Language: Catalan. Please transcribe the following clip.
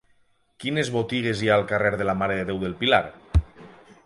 Quines botigues hi ha al carrer de la Mare de Déu del Pilar?